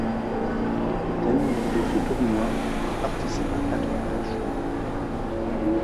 Capitaine lors de ce tournoi, il participe à quatre matchs.